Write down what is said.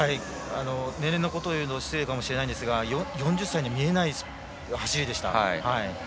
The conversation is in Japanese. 年齢のことを言うと失礼かもしれませんが４０歳に見えない走りでした。